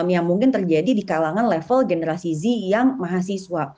yang mungkin terjadi di kalangan level generasi z yang mahasiswa